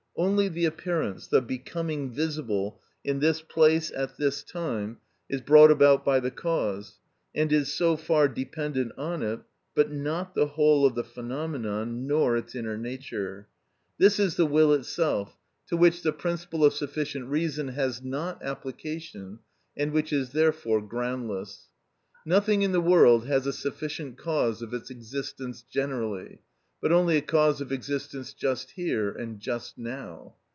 Only the appearance, the becoming visible, in this place, at this time, is brought about by the cause and is so far dependent on it, but not the whole of the phenomenon, nor its inner nature. This is the will itself, to which the principle of sufficient reason has not application, and which is therefore groundless. Nothing in the world has a sufficient cause of its existence generally, but only a cause of existence just here and just now.